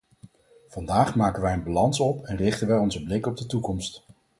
Vandaag maken wij een balans op en richten wij onze blik op de toekomst.